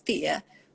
itu sudah terbukti ya